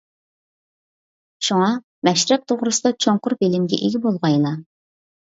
شۇڭا مەشرەپ توغرىسىدا چوڭقۇر بىلىمگە ئىگە بولغايلا.